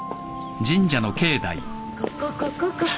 ここここここ。